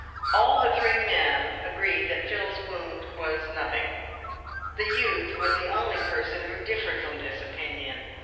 All the three men agreed that Phil's wound was nothing. The youth was the only person who differed from this opinion.